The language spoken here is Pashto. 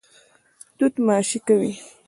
توت ماشې کوي.